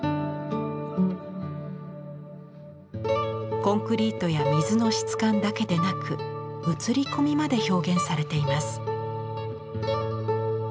コンクリートや水の質感だけでなく映り込みまで表現されています。